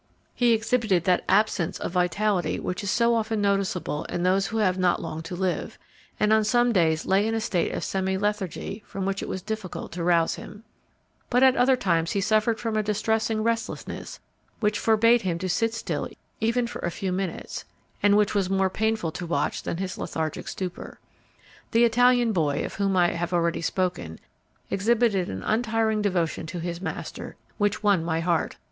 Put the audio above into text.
He exhibited that absence of vitality which is so often noticeable in those who have not long to live, and on some days lay in a state of semi lethargy from which it was difficult to rouse him. But at other times he suffered from a distressing restlessness which forbade him to sit still even for a few minutes, and which was more painful to watch than his lethargic stupor. The Italian boy, of whom I have already spoken, exhibited an untiring devotion to his master which won my heart.